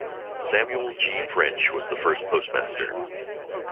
Samuel G. French was the first postmaster.